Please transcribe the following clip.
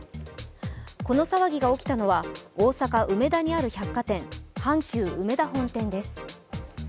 この騒ぎが起きたのは大阪・梅田にある百貨店、阪急うめだ本店です。